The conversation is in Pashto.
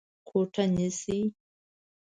کوټه نيسې؟